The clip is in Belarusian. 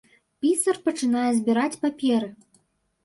Пісар пачынае збіраць паперы.